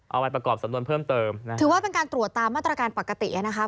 เอาไปประกอบสำนวนเพิ่มเติมนะถือว่าเป็นการตรวจตามมาตรการปกติอ่ะนะคะ